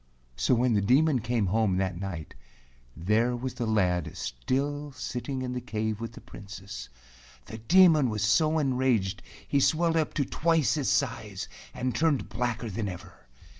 So when the Demon came home that night, there was the lad still sitting in the cave with the Princess. The Demon was so enraged he swelled up to twice his size and turned blacker than ever.